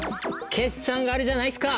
決算があるじゃないっすか！